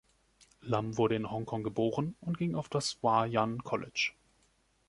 Lam wurde in Hongkong geboren und ging auf das Wah Yan College.